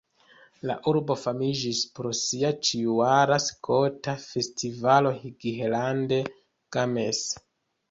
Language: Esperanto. La urbo famiĝis pro sia ĉiujara skota festivalo Highland Games.